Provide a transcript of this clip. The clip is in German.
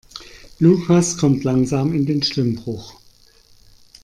Lukas kommt langsam in den Stimmbruch.